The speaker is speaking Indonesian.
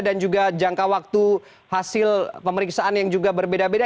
dan juga jangka waktu hasil pemeriksaan yang juga berbeda beda